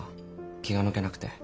気が抜けなくて。